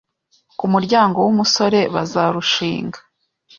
ku muryango w’umusore bazarushinga